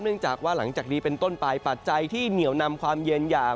เนื่องจากว่าหลังจากนี้เป็นต้นไปปัจจัยที่เหนียวนำความเย็นอย่าง